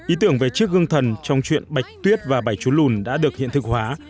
ý tưởng về chiếc gương thần trong chuyện bạch tuyết và bảy chú lùn đã được hiện thực hóa